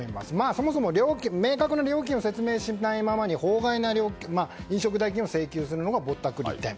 そもそも、明確な料金を説明しないままに法外な飲食代金を請求するのがぼったくり店。